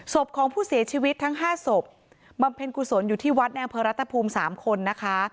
ศพของผู้เสียชีวิตทั้ง๕ศพบำเพ็ญกุศลอยู่ที่วัดในอำเภอรัฐภูมิ๓คนนะคะ